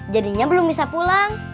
jadinya belum bisa pulang